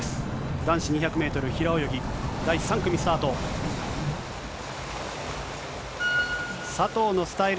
男子２００メートル平泳ぎ、第３組スタート。